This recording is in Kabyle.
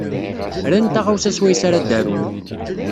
Ran taɣawsa swayes ar ad arun.